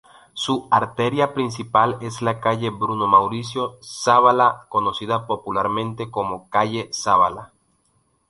Su arteria principal es la calle Bruno Mauricio Zabala, conocida popularmente como "calle Zabala".